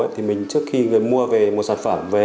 thì trước khi người mua một sản phẩm về